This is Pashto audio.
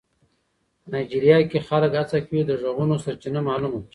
نایجیریا کې خلک هڅه کوي د غږونو سرچینه معلومه کړي.